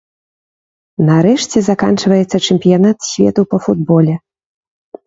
Нарэшце заканчваецца чэмпіянат свету па футболе.